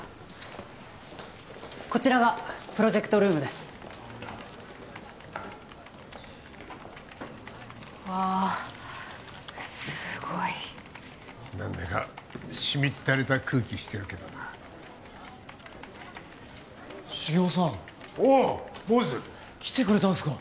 こちらがプロジェクトルームですわあすごい何だかしみったれた空気してるけどな繁雄さんおう坊主来てくれたんですか